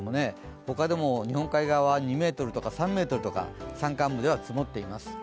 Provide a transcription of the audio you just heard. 他でも日本海側は２ｍとか３ｍとか山間部では積もっています。